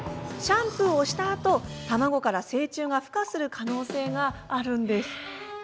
シャンプーをしたあと卵から成虫が、ふ化する可能性があるんです。